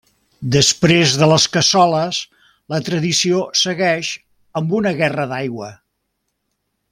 Després de les cassoles, la tradició segueix amb una guerra d'aigua.